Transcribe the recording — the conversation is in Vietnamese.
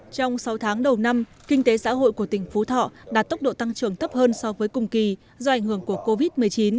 trong sáu tháng đầu năm kinh tế xã hội của tỉnh phú thọ đạt tốc độ tăng trưởng thấp hơn so với cùng kỳ do ảnh hưởng của covid một mươi chín